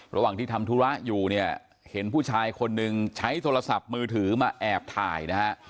ระหว่างที่ทำธุระอยู่เนี่ยเห็นผู้ชายคนหนึ่งใช้โทรศัพท์มือถือมาแอบถ่ายนะฮะ